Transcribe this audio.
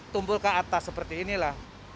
tumbuh ke atas seperti ini lah